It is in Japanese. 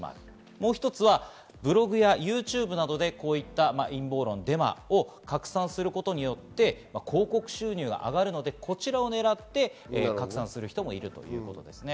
もう一つはブログやＹｏｕＴｕｂｅなどで陰謀論、デマを拡散することで広告収入が上がるので、こちらを狙って拡散する人もいるということです。